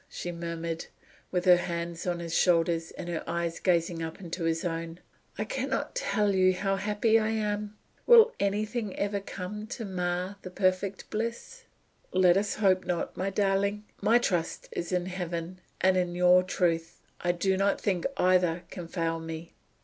she murmured, with her hands on his shoulders, and her eyes gazing up into his own. "I can not tell you how happy I am. Will anything ever come to mar the perfect bliss?" "Let us hope not, my darling. My trust is in heaven, and in your truth. I do not think either can fail me.